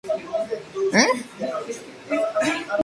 Es una imagen de cómo Batman se vería como una Linterna Blanca.